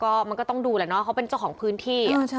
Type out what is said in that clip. ก็มันก็ต้องดูแหละเนาะเขาเป็นเจ้าของพื้นที่